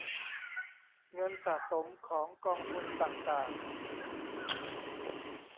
เงินสะสมของกองทุนต่างต่าง